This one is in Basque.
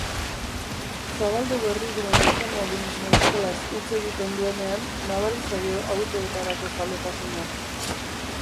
Zabaldu berri duen automobilismo eskolaz hitz egiten duenean nabari zaio autoetarako zaletasuna.